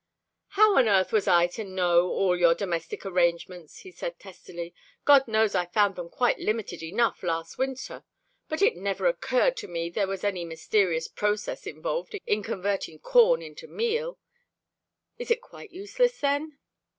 "How on earth was I to know all your domestic arrangements?" he said testily. "God knows I found them limited enough last winter, but it never occurred to me there was any mysterious process involved in converting corn into meal. Is it quite useless, then?"